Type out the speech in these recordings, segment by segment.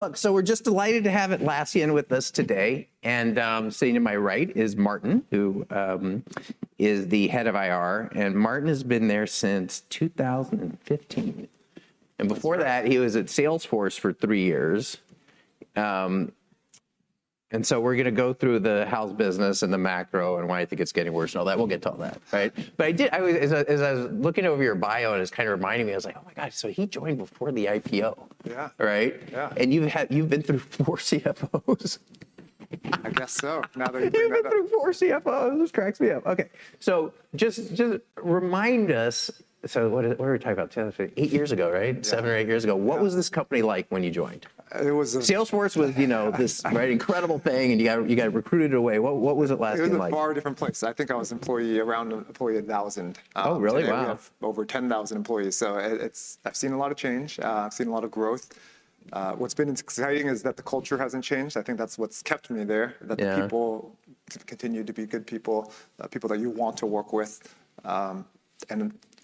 Look, we're just delighted to have Atlassian with us today, and sitting to my right is Martin, who is the head of IR, and Martin has been there since 2015. That's right. Before that he was at Salesforce for three years. We're gonna go through the house business and the macro and why I think it's getting worse and all that. We'll get to all that, right? As I was looking over your bio and it was kind of reminding me, I was like, "Oh my God, he joined before the IPO. Yeah. Right? Yeah. You've been through four CFOs. I guess now that you point it out. You've been through four CFOs. This cracks me up. Okay, just remind us, what did, what were we talking about? 2015, eight years ago, right? Yeah. Seven or eight years ago. Yeah. What was this company like when you joined? It was. Salesforce was, you know. Right... this, right, incredible thing, and you got recruited away. What was Atlassian like? It was a far different place. I think I was around employee 1,000. Oh, really? Wow. Today we have over 10,000 employees, so it's... I've seen a lot of change. I've seen a lot of growth. What's been exciting is that the culture hasn't changed. I think that's what's kept me there. Yeah... that the people continue to be good people that you want to work with.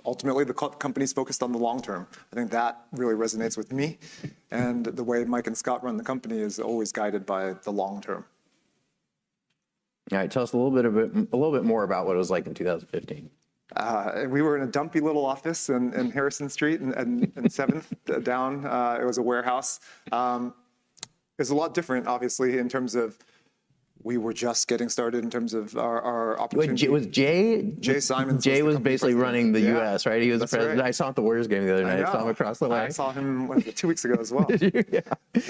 Ultimately, the company's focused on the long term. I think that really resonates with me. The way Mike and Scott run the company is always guided by the long term. All right. Tell us a little bit more about what it was like in 2015. We were in a dumpy little office in Harrison Street in down. It was a warehouse. It's a lot different obviously in terms of we were just getting started in terms of our opportunity. Wait, was it Jay? Jay Simons was the previous- Jay was basically running the U.S., right? Yeah, that's right. He was and I saw him at the Warriors game the other night. I know. I saw him across the way. I saw him, what was it, two weeks ago as well. Did you? Yeah.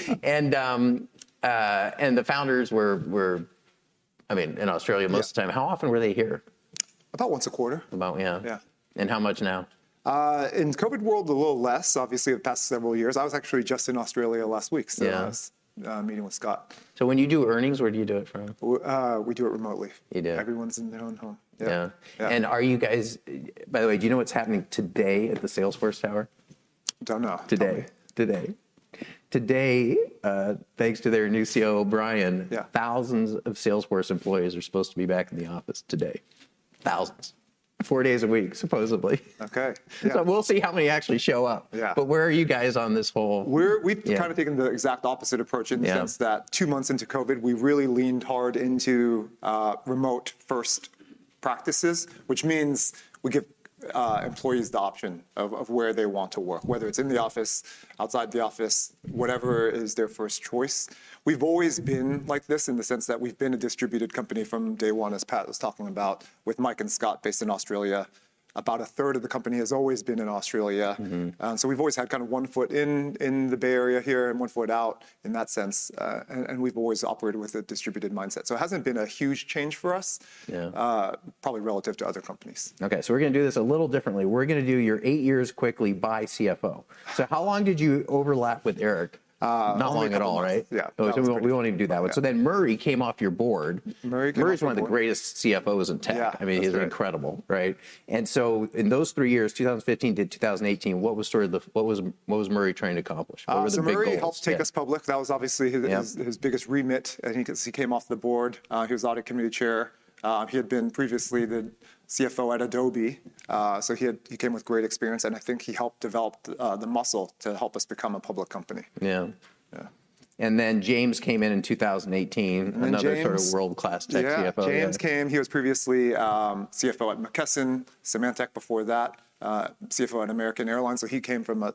The founders were, I mean, in Australia most of the time. Yeah. How often were they here? About once a quarter. About, yeah. Yeah. How much now? In COVID world, a little less, obviously the past several years. I was actually just in Australia last week. Yeah. I was meeting with Scott. When you do earnings, where do you do it from? We do it remotely. You do? Everyone's in their own home. Yeah. Yeah. Yeah. Are you guys, by the way, do you know what's happening today at the Salesforce Tower? Don't know. Tell me. Today, thanks to their new CEO, Brian. Yeah thousands of Salesforce employees are supposed to be back in the office today. Thousands. Four days a week, supposedly. Okay. Yeah. We'll see how many actually show up. Yeah. where are you guys on this whole...? We're, we've- Yeah... kind of taken the exact opposite approach... Yeah... in the sense that two months into COVID we really leaned hard into remote first practices, which means we give employees the option of where they want to work, whether it's in the office, outside the office, whatever is their first choice. We've always been like this in the sense that we've been a distributed company from day one, as Pat was talking about, with Mike and Scott based in Australia. About a third of the company has always been in Australia. Mm-hmm. We've always had kind of one foot in the Bay Area here and one foot out in that sense. And we've always operated with a distributed mindset, so it hasn't been a huge change for us. Yeah... probably relative to other companies. We're gonna do this a little differently. We're gonna do your eight years quickly by CFO. How long did you overlap with Eric? Not very long. Not long at all, right? Yeah. That was pretty short. We won't even do that one. Murray came off your board. Murray came off the board. Murray's one of the greatest CFOs in tech. Yeah, that's right. I mean, he's incredible, right? In those three years, 2015 to 2018, what was Murray trying to accomplish? What were the big goals? Murray helped take us public. Yeah. That was obviously his. Yeah... his biggest remit as he came off the board. He was audit committee chair. He had been previously the CFO at Adobe. He came with great experience, and I think he helped develop the muscle to help us become a public company. Yeah. Yeah. Then James came in in 2018. And then James- Another sort of world-class tech CFO guy. Yeah. James came. He was previously CFO at McKesson, Symantec before that, CFO at American Airlines. He came from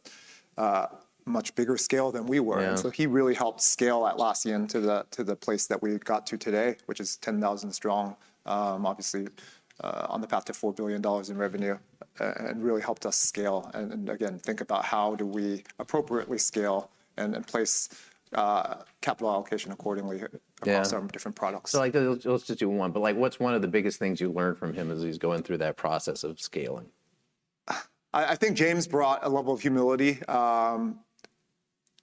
a much bigger scale than we were. Yeah. He really helped scale Atlassian to the place that we got to today, which is 10,000 strong, obviously, on the path to $4 billion in revenue, and really helped us scale and again think about how do we appropriately scale and then place capital allocation accordingly. Yeah... across our different products. Like, let's just do one, but, like, what's one of the biggest things you learned from him as he's going through that process of scaling? I think James brought a level of humility.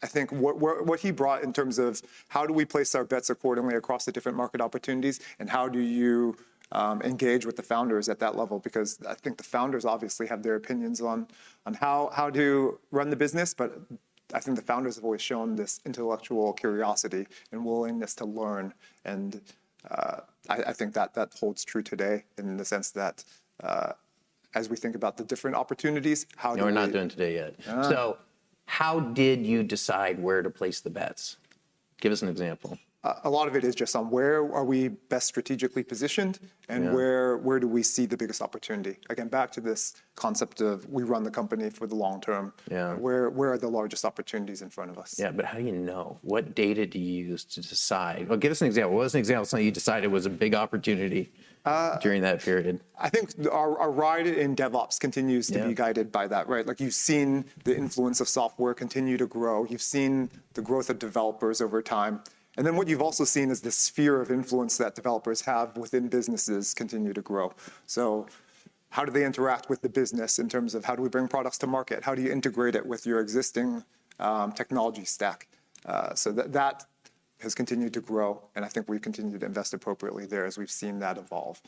I think what he brought in terms of how do we place our bets accordingly across the different market opportunities, and how do you engage with the founders at that level, because I think the founders obviously have their opinions on how to run the business. I think the founders have always shown this intellectual curiosity and willingness to learn, and I think that holds true today in the sense that as we think about the different opportunities, how do we. No, we're not doing today yet. Ah. How did you decide where to place the bets? Give us an example. A lot of it is just on where are we best strategically positioned. Yeah where do we see the biggest opportunity. Again, back to this concept of we run the company for the long term. Yeah. Where are the largest opportunities in front of us? Yeah, how do you know? What data do you use to decide? Well, give us an example. What was an example of something you decided was a big opportunity? Uh-... during that period? I think our ride in DevOps continues to be- Yeah... guided by that, right? Like, you've seen the influence of software continue to grow. You've seen the growth of developers over time. What you've also seen is this sphere of influence that developers have within businesses continue to grow. How do they interact with the business in terms of how do we bring products to market? How do you integrate it with your existing technology stack? That has continued to grow, and I think we've continued to invest appropriately there as we've seen that evolve.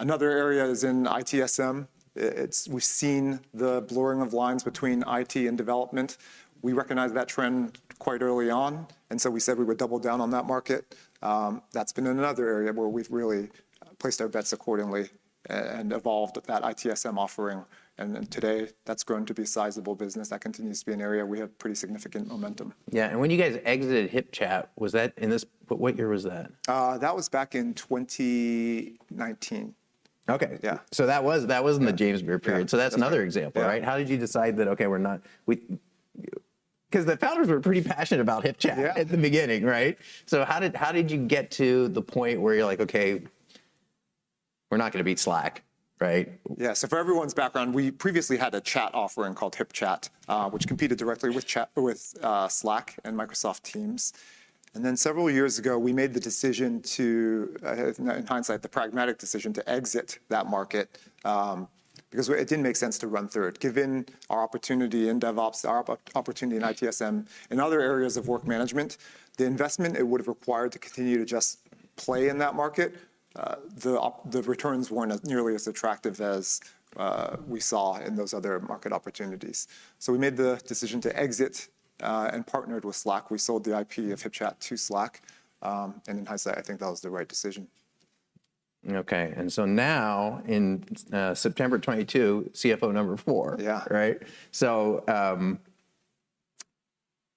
Another area is in ITSM. We've seen the blurring of lines between IT and development. We recognized that trend quite early on, and so we said we would double down on that market. That's been another area where we've really placed our bets accordingly and evolved that ITSM offering. Today, that's grown to be a sizable business. That continues to be an area we have pretty significant momentum. Yeah. When you guys exited HipChat, what year was that? That was back in 2019. Okay. Yeah. That was in the James Beer period. Yeah. That's another example, right? Yeah. How did you decide that, okay, 'Cause the founders were pretty passionate about HipChat? Yeah... at the beginning, right? How did you get to the point where you're like, "Okay, we're not gonna beat Slack," right? For everyone's background, we previously had a chat offering called HipChat, which competed directly with Slack and Microsoft Teams. Several years ago, we made the decision to in hindsight, the pragmatic decision to exit that market because it didn't make sense to run through it. Given our opportunity in DevOps, our opportunity in ITSM and other areas of work management, the investment it would've required to continue to just play in that market the returns weren't as nearly as attractive as we saw in those other market opportunities. We made the decision to exit and partnered with Slack. We sold the IP of HipChat to Slack. In hindsight, I think that was the right decision. Okay. Now in September 2022, CFO number four. Yeah. Right?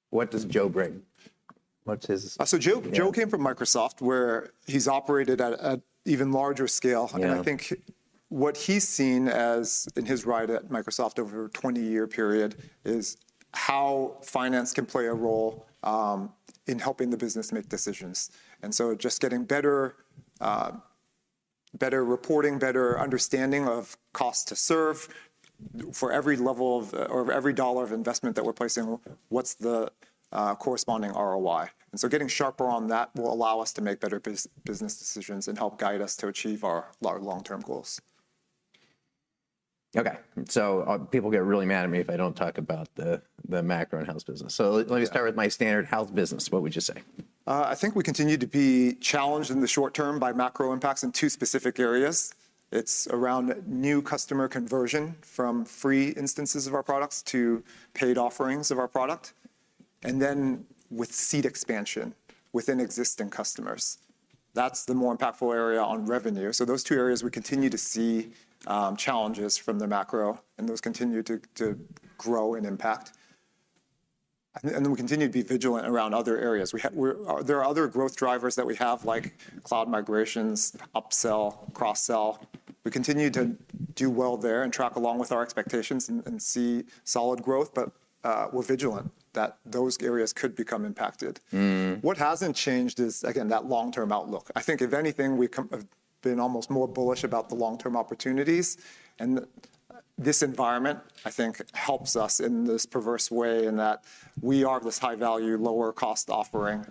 What does Joe bring? What's his- Joe- Yeah Joe came from Microsoft, where he's operated at an even larger scale. Yeah. I think what he's seen as, in his ride at Microsoft over a 20-year period, is how finance can play a role, in helping the business make decisions. Just getting better reporting, better understanding of cost to serve for every level of, or every dollar of investment that we're placing, what's the corresponding ROI? Getting sharper on that will allow us to make better business decisions and help guide us to achieve our long-term goals. Okay. People get really mad at me if I don't talk about the macro and health business. Let me start. Yeah... with my standard health business, what would you say? I think we continue to be challenged in the short term by macro impacts in two specific areas. It's around new customer conversion from free instances of our products to paid offerings of our product and then with seat expansion within existing customers. That's the more impactful area on revenue. Those two areas we continue to see challenges from the macro, and those continue to grow and impact. We continue to be vigilant around other areas. There are other growth drivers that we have, like cloud migrations, upsell, cross-sell. We continue to do well there and track along with our expectations and see solid growth, but we're vigilant that those areas could become impacted. Mm. What hasn't changed is, again, that long-term outlook. I think if anything, we've have been almost more bullish about the long-term opportunities. This environment, I think, helps us in this perverse way in that we are this high-value, lower-cost offering.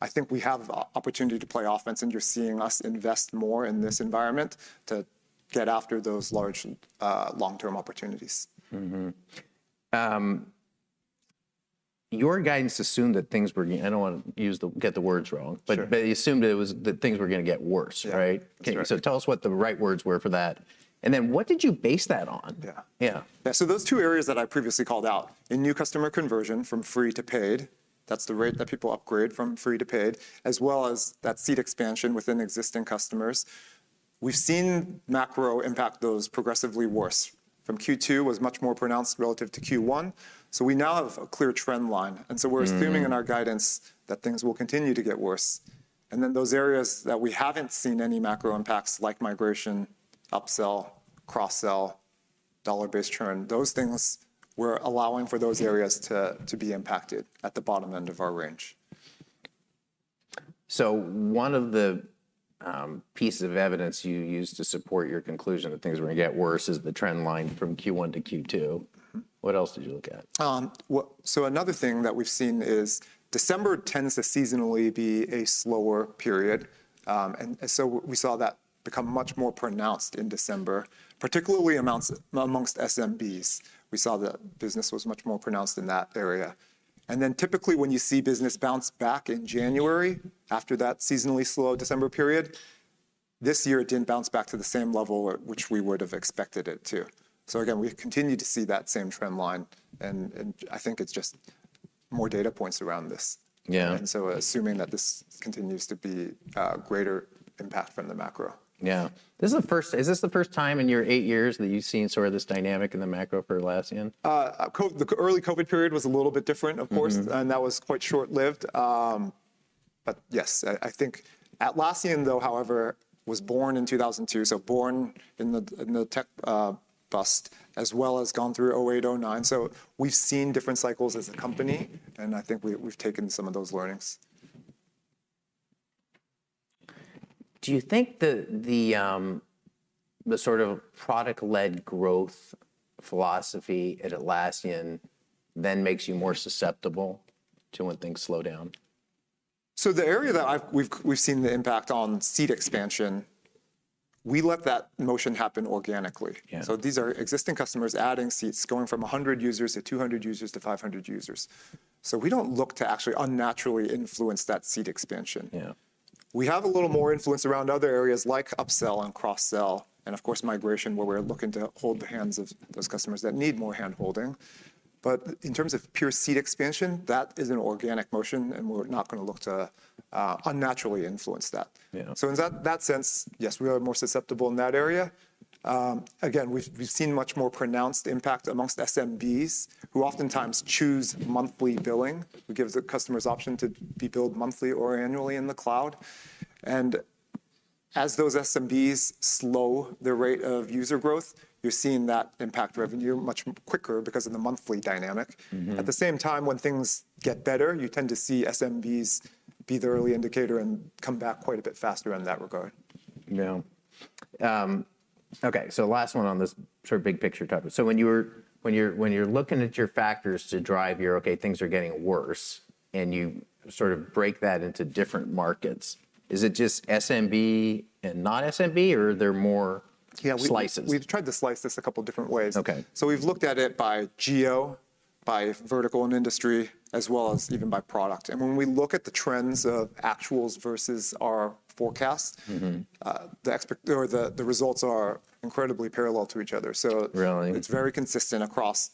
I think we have opportunity to play offense. You're seeing us invest more in this environment to get after those large, long-term opportunities. Your guidance assumed that things were... I don't wanna use the, get the words wrong. Sure. You assumed it was, that things were gonna get worse, right? Yeah. That's right. Tell us what the right words were for that, and then what did you base that on? Yeah. Yeah. Yeah. Those two areas that I previously called out, in new customer conversion from free to paid, that's the rate that people upgrade from free to paid, as well as that seat expansion within existing customers. We've seen macro impact those progressively worse. From Q2 was much more pronounced relative to Q1, so we now have a clear trend line. Mm. We're assuming in our guidance that things will continue to get worse. Then those areas that we haven't seen any macro impacts, like migration, upsell, cross-sell, dollar-based churn, those things we're allowing for those areas to be impacted at the bottom end of our range. One of the pieces of evidence you used to support your conclusion that things were going to get worse is the trend line from Q1 to Q2. Mm-hmm. What else did you look at? What... Another thing that we've seen is December tends to seasonally be a slower period, and so we saw that become much more pronounced in December, particularly amounts amongst SMBs. We saw the business was much more pronounced in that area. Typically when you see business bounce back in January after that seasonally slow December period, this year it didn't bounce back to the same level at which we would have expected it to. Again, we've continued to see that same trend line, and I think it's just more data points around this. Yeah. Assuming that this continues to be a greater impact from the macro. Yeah. Is this the first time in your eight years that you've seen sort of this dynamic in the macro for Atlassian? The early COVID period was a little bit different, of course. Mm-hmm. That was quite short-lived. Yes. I think Atlassian, though, however, was born in 2002, so born in the, in the tech bust, as well as gone through 2008, 2009. We've seen different cycles as a company, and I think we've taken some of those learnings. Do you think the sort of product-led growth philosophy at Atlassian then makes you more susceptible to when things slow down? The area that we've seen the impact on seat expansion, we let that motion happen organically. Yeah. These are existing customers adding seats, going from 100 users to 200 users to 500 users. We don't look to actually unnaturally influence that seat expansion. Yeah. We have a little more influence around other areas like upsell and cross-sell and, of course, migration, where we're looking to hold the hands of those customers that need more hand-holding. In terms of pure seat expansion, that is an organic motion, and we're not gonna look to unnaturally influence that. Yeah. In that sense, yes, we are more susceptible in that area. Again, we've seen much more pronounced impact amongst SMBs, who oftentimes choose monthly billing. We give the customers option to be billed monthly or annually in the cloud. As those SMBs slow their rate of user growth, you're seeing that impact revenue much quicker because of the monthly dynamic. Mm-hmm. At the same time, when things get better, you tend to see SMBs be the early indicator and come back quite a bit faster in that regard. Okay, last one on this sort of big picture topic. When you're looking at your factors to drive your, "Okay, things are getting worse," and you sort of break that into different markets, is it just SMB and not SMB, or are there more-? Yeah.... slices? we've tried to slice this a couple different ways. Okay. We've looked at it by geo, by vertical and industry, as well as even by product. When we look at the trends of actuals versus our forecast. Mm-hmm... the results are incredibly parallel to each other, so. Really? it's very consistent across,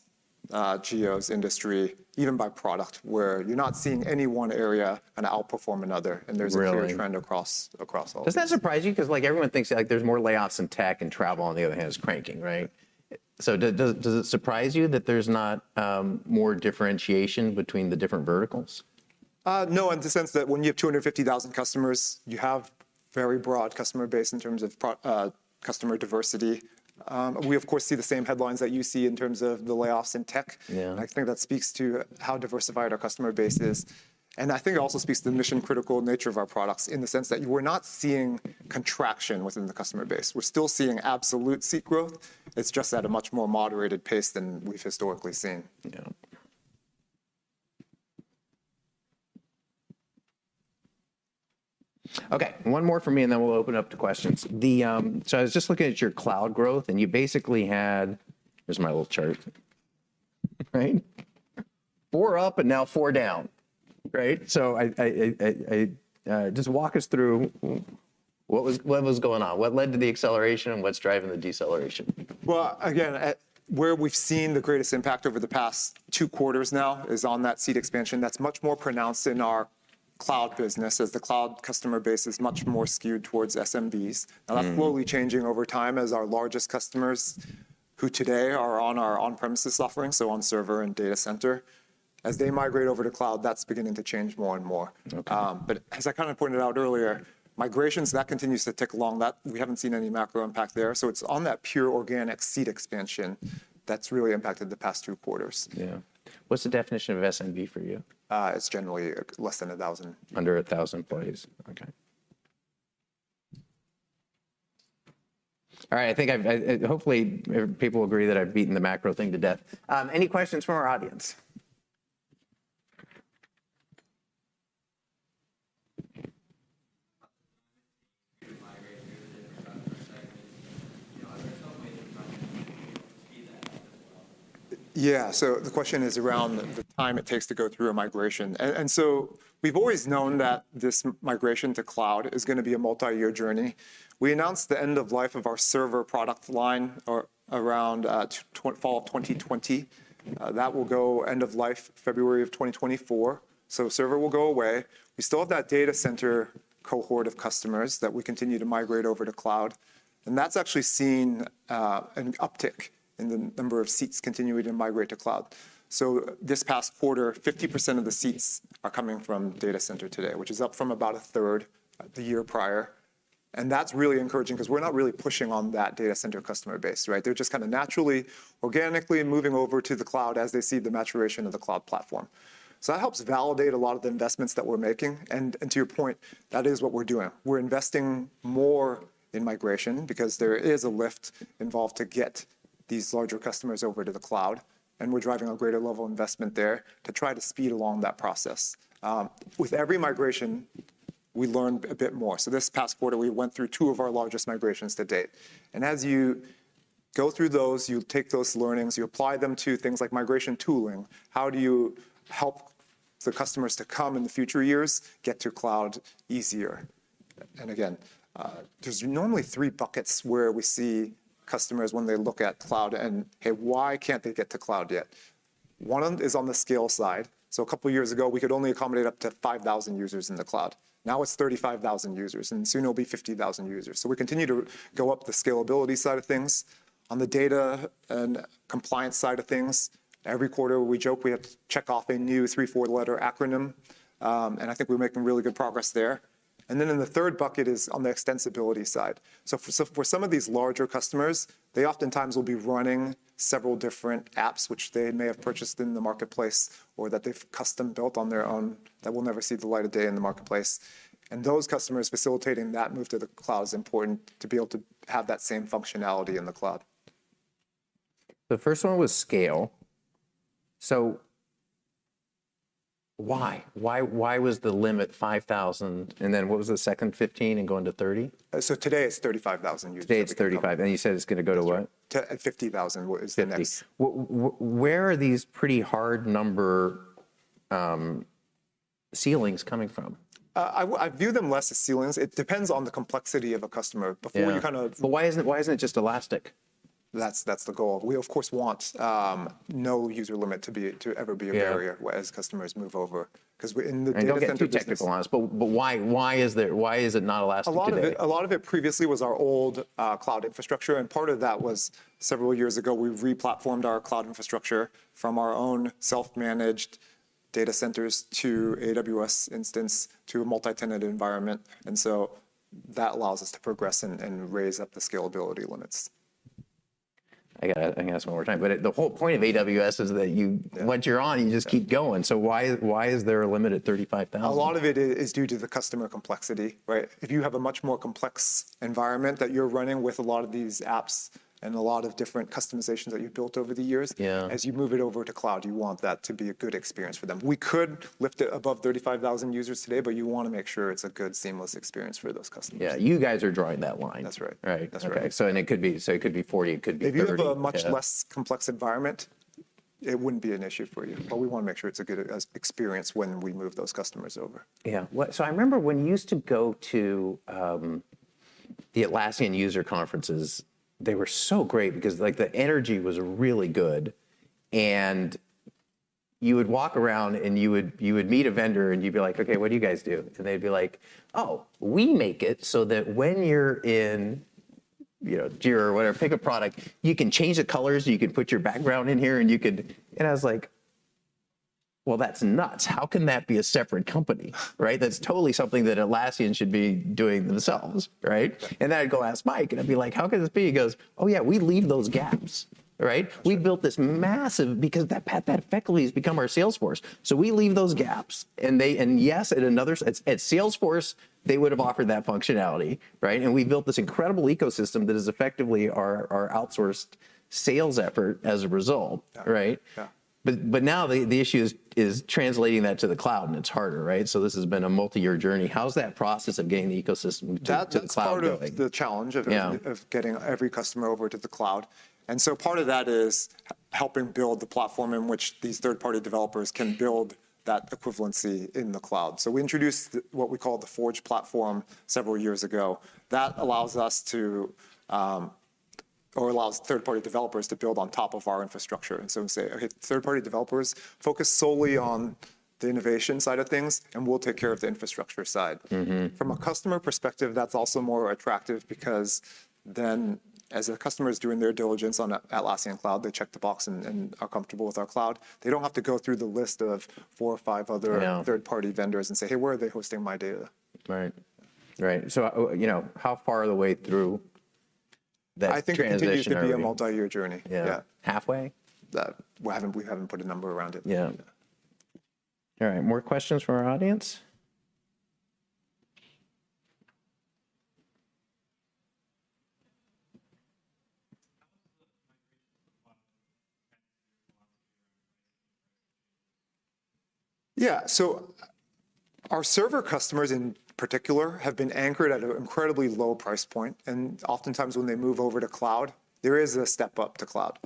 geos, industry, even by product, where you're not seeing any one area, outperform another. Really? a clear trend across all of them. Does that surprise you? Cause, like, everyone thinks, like, there's more layoffs in tech, and travel, on the other hand, is cranking, right? Does it surprise you that there's not more differentiation between the different verticals? No, in the sense that when you have 250,000 customers, you have very broad customer base in terms of customer diversity. We of course see the same headlines that you see in terms of the layoffs in tech. Yeah. I think that speaks to how diversified our customer base is. I think it also speaks to the mission-critical nature of our products in the sense that we're not seeing contraction within the customer base. We're still seeing absolute seat growth. It's just at a much more moderated pace than we've historically seen. Okay, one more from me, and then we'll open up to questions. I was just looking at your cloud growth, and you basically had... Here's my little chart, right? four up and now four down, right? Just walk us through what was, what was going on, what led to the acceleration, and what's driving the deceleration? Well, again, where we've seen the greatest impact over the past two quarters now is on that seat expansion. That's much more pronounced in our cloud business, as the cloud customer base is much more skewed towards SMBs. Mm. That's slowly changing over time as our largest customers, who today are on our on-premises offering, so on Server and Data Center, as they migrate over to cloud, that's beginning to change more and more. Okay. As I kinda pointed out earlier, migrations, that continues to tick along. That we haven't seen any macro impact there. It's on that pure organic seat expansion that's really impacted the past two quarters. Yeah. What's the definition of SMB for you? It's generally less than 1,000. Under 1,000 employees. Yeah. Okay. All right, I think I've... I hopefully people agree that I've beaten the macro thing to death. Any questions from our audience? How long does it take you to migrate through the different segments? You know, are there some ways in which you can speed that up as well? The question is around the time it takes to go through a migration. We've always known that this migration to cloud is gonna be a multi-year journey. We announced the end of life of our Server product line around fall of 2020. That will go end of life February of 2024. Server will go away. We still have that Data Center cohort of customers that we continue to migrate over to cloud. That's actually seen an uptick in the number of seats continuing to migrate to cloud. This past quarter, 50% of the seats are coming from Data Center today, which is up from about a third the year prior. That's really encouraging 'cause we're not really pushing on that Data Center customer base, right? They're just kinda naturally, organically moving over to the cloud as they see the maturation of the cloud platform. That helps validate a lot of the investments that we're making, and to your point, that is what we're doing. We're investing more in migration because there is a lift involved to get these larger customers over to the cloud, and we're driving a greater level of investment there to try to speed along that process. With every migration, we learn a bit more. This past quarter, we went through two of our largest migrations to date. As you go through those, you take those learnings, you apply them to things like migration tooling. How do you help the customers to come in the future years get to cloud easier? Again, there's normally three buckets where we see customers when they look at cloud, and, hey, why can't they get to cloud yet? One of them is on the scale side. A couple years ago, we could only accommodate up to 5,000 users in the cloud. Now it's 35,000 users, and soon it'll be 50,000 users. We continue to go up the scalability side of things. On the data and compliance side of things, every quarter we joke we have to check off a new three-four letter acronym, and I think we're making really good progress there. Then in the third bucket is on the extensibility side. For some of these larger customers, they oftentimes will be running several different apps which they may have purchased in the Marketplace or that they've custom-built on their own that will never see the light of day in the Marketplace. Those customers facilitating that move to the cloud is important to be able to have that same functionality in the cloud. The first one was scale. Why? Why was the limit 5,000? What was the second 15 and going to 30? Today it's 35,000 users that we accommodate. Today it's 35. You said it's gonna go to what? To 50,000 is the. Where are these pretty hard number ceilings coming from? I view them less as ceilings. It depends on the complexity of a customer. Yeah. Before you kind of. Why isn't it just elastic? That's the goal. We of course want no user limit to ever be. Yeah... a barrier as customers move over. 'Cause we're. In the. Don't get too technical on us, but why is it not elastic today? A lot of it previously was our old cloud infrastructure, part of that was several years ago, we re-platformed our cloud infrastructure from our own self-managed data centers to AWS instance, to a multi-tenant environment. That allows us to progress and raise up the scalability limits. I gotta ask one more time. The whole point of AWS is that you- Yeah... once you're on, you just keep going. Why is there a limit at 35,000? A lot of it is due to the customer complexity, right? If you have a much more complex environment that you're running with a lot of these apps and a lot of different customizations that you've built over the years- Yeah... as you move it over to cloud, you want that to be a good experience for them. We could lift it above 35,000 users today, you wanna make sure it's a good, seamless experience for those customers. Yeah. You guys are drawing that line. That's right. Right. That's right. Okay. It could be, so it could be 40, it could be 30. If you have a much less complex environment, it wouldn't be an issue for you. We wanna make sure it's a good experience when we move those customers over. I remember when you used to go to the Atlassian user conferences, they were so great because, like, the energy was really good, and you would walk around and you would meet a vendor and you'd be like, "Okay, what do you guys do?" They'd be like, "Oh, we make it so that when you're in, you know, Jira," or whatever, pick a product, "you can change the colors, you can put your background in here, and you can..." I was like, "Well, that's nuts. How can that be a separate company?" Right? That's totally something that Atlassian should be doing themselves, right? I'd go ask Mike, and I'd be like, "How can this be?" He goes, "Oh yeah, we leave those gaps." Right? Sure. That effectively has become our sales force. We leave those gaps, yes, at another at Salesforce, they would've offered that functionality, right? We built this incredible ecosystem that is effectively our outsourced sales effort as a result. Yeah. Right? Yeah. Now the issue is translating that to the cloud, and it's harder, right? This has been a multi-year journey. How's that process of getting the ecosystem to the cloud going? That's part of the challenge. Yeah... of getting every customer over to the cloud. Part of that is helping build the platform in which these third-party developers can build that equivalency in the cloud. We introduced the, what we call the Forge platform several years ago. That allows us to, or allows third-party developers to build on top of our infrastructure. We say, "Okay, third-party developers, focus solely on the innovation side of things, and we'll take care of the infrastructure side. Mm-hmm. From a customer perspective, that's also more attractive because then as a customer's doing their diligence on Atlassian Cloud, they check the box and are comfortable with our cloud. They don't have to go through the list of four or five other. Yeah... third-party vendors and say, "Hey, where are they hosting my data? Right. You know, how far of the way through that transition are you? I think it continues to be a multi-year journey. Yeah. Yeah. Halfway? We haven't put a number around it. Yeah. All right, more questions from our audience? How has the migration to the cloud affected your Our Server customers in particular have been anchored at an incredibly low price point, and oftentimes when they move over to cloud, there is a step up to cloud.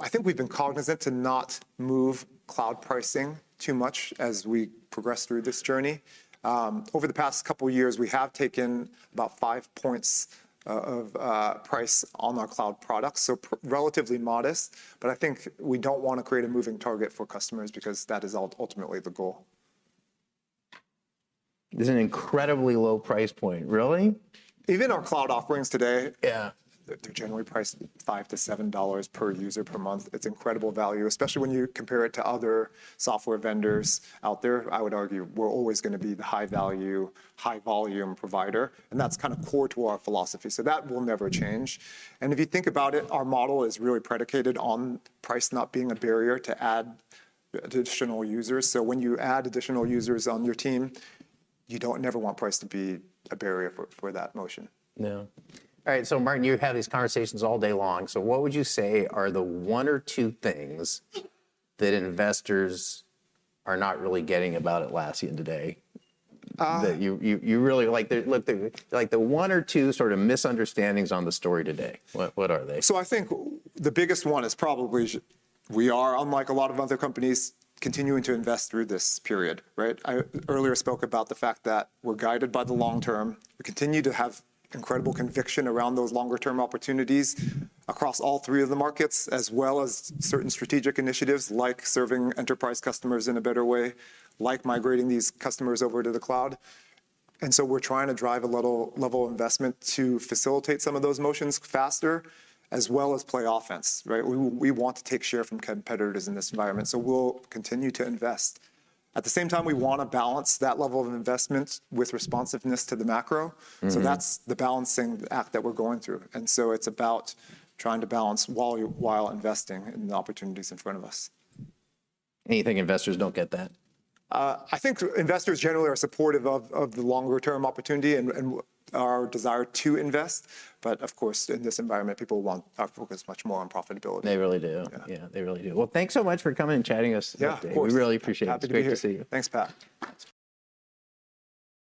I think we've been cognizant to not move cloud pricing too much as we progress through this journey. Over the past couple years, we have taken about 5 points of price on our cloud products, relatively modest, I think we don't wanna create a moving target for customers because that is ultimately the goal. This is an incredibly low price point. Really? Even our cloud offerings today. Yeah They're generally priced $5 to $7 per user per month. It's incredible value, especially when you compare it to other software vendors out there. I would argue we're always gonna be the high-value, high-volume provider, and that's kind of core to our philosophy. That will never change. If you think about it, our model is really predicated on price not being a barrier to add additional users. When you add additional users on your team, you don't, never want price to be a barrier for that motion. All right. Martin, you have these conversations all day long. What would you say are the one or two things that investors are not really getting about Atlassian today? Uh- That you really, like the one or two sort of misunderstandings on the story today. What are they? I think the biggest one is probably we are, unlike a lot of other companies, continuing to invest through this period, right? I earlier spoke about the fact that we're guided by the long term. We continue to have incredible conviction around those longer term opportunities across all three of the markets, as well as certain strategic initiatives, like serving enterprise customers in a better way, like migrating these customers over to the cloud. We're trying to drive a little level of investment to facilitate some of those motions faster, as well as play offense, right? We, we want to take share from competitors in this environment, so we'll continue to invest. At the same time, we wanna balance that level of investment with responsiveness to the macro. Mm-hmm. That's the balancing act that we're going through, and so it's about trying to balance while investing in the opportunities in front of us. you think investors don't get that? I think investors generally are supportive of the longer term opportunity and our desire to invest. Of course, in this environment, people want focus much more on profitability. They really do. Yeah. Yeah, they really do. Well, thanks so much for coming and chatting with us today. Yeah, of course. We really appreciate it. Happy to be here. It's great to see you. Thanks, Pat.